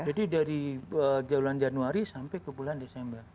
jadi dari jadul januari sampai ke bulan desember